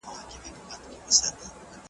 هر څوک یې نه شي لیکلای.